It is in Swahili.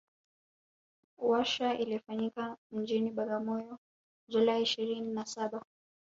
Warsha ilifanyikia mjini Bagamoyo July ishirini na Saba